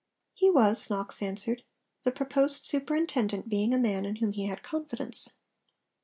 He was, Knox answered; the proposed superintendent being a man in whom he had confidence.